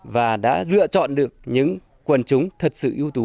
và đã lựa chọn được những quần chúng thật sự ưu tú